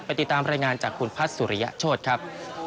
ติดตามรายงานจากคุณพัฒน์สุริยโชธครับ